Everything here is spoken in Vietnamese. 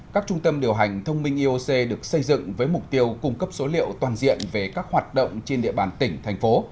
các trung tâm điều hành thông minh ioc được xây dựng với mục tiêu cung cấp số liệu toàn diện về các hoạt động trên địa bàn tỉnh thành phố